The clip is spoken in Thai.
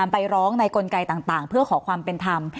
ไปร้องในกลไกต่างเพื่อขอความเป็นธรรม